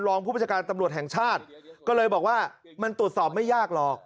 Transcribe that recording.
ผู้ประชาการตำรวจแห่งชาติก็เลยบอกว่ามันตรวจสอบไม่ยากหรอก